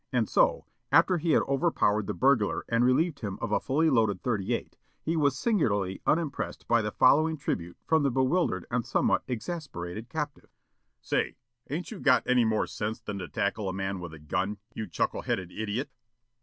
And so, after he had overpowered the burglar and relieved him of a fully loaded thirty eight, he was singularly unimpressed by the following tribute from the bewildered and somewhat exasperated captive: "Say, ain't you got any more sense than to tackle a man with a gun, you chuckle headed idiot?"